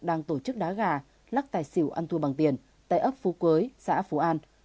đang tổ chức đá gà lắc tài xỉu ăn thua bằng tiền tại ấp phú quế xã phú an